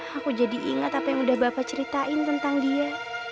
aku jadi ingat apa yang udah bapak ceritain tentang dia